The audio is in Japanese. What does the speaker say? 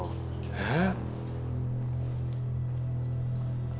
えっ？